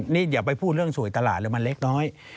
นี่อย่าไปพูดเรื่องสวยตลาดเลยมันเล็กน้อย